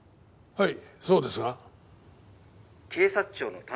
はい。